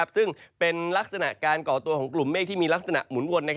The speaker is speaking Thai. ซึ่งเป็นลักษณะการก่อตัวของกลุ่มเมฆที่มีลักษณะหมุนวน